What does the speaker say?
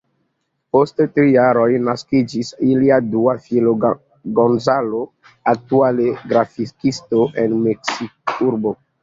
Post tri jaroj, naskiĝis ilia dua filo, Gonzalo, aktuale grafikisto en Meksikurbo.